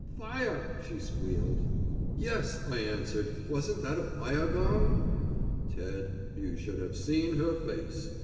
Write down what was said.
"Fire!" she squealed. "Yes," I answered, "wasn't that a fire gong?" Ted, you should have seen her face.